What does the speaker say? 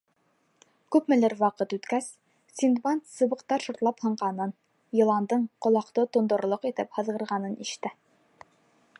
Күпмелер ваҡыт үткәс, Синдбад сыбыҡтар шыртлап һынғанын, йыландың ҡолаҡты тондорорлоҡ итеп һыҙғырғанын ишетә.